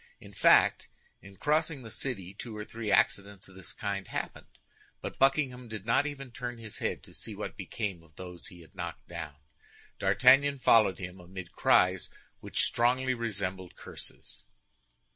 In fact, in crossing the city two or three accidents of this kind happened; but Buckingham did not even turn his head to see what became of those he had knocked down. D'Artagnan followed him amid cries which strongly resembled curses.